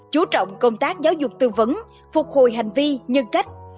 chú trọng công tác giáo dục tư vấn phục hồi hành vi nhân cách